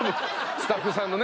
スタッフさんのね。